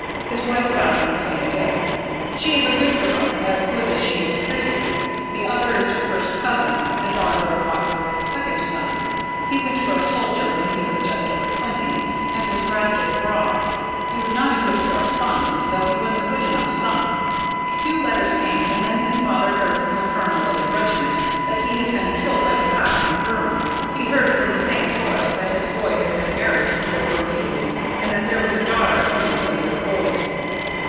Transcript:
His wife died on the same day. She is a good girl as good as she is pretty. The other is her first cousin, the daughter of Watford's second son. He went for a soldier when he was just over twenty, and was drafted abroad. He was not a good correspondent, though he was a good enough son. A few letters came, and then his father heard from the colonel of his regiment that he had been killed by dacoits in Burmah. He heard from the same source that his boy had been married to a Burmese, and that there was a daughter only a year old.